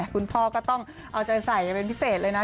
คุณพ่อก็ต้องเอาใจใส่กันเป็นพิเศษเลยนะ